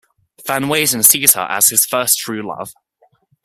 Van Weyden sees her as his first true love.